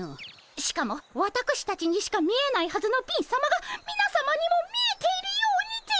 しかもわたくしたちにしか見えないはずの貧さまがみなさまにも見えているようにて。